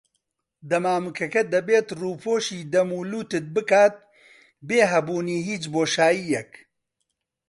دەمامکەکە دەبێت ڕووپۆشی دەم و لوتت بکات بێ هەبوونی هیچ بۆشاییەک.